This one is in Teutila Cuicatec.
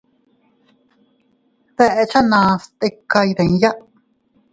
Dechanas tika iydiya.